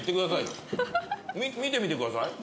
見てみてください。